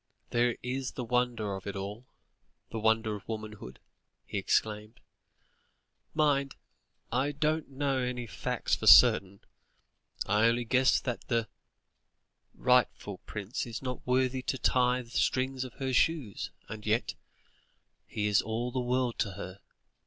"There is the wonder of it all, the wonder of womanhood," he exclaimed; "mind, I don't know any facts for certain. I only guess that the rightful prince is not worthy to tie the strings of her shoes, and yet he is all the world to her.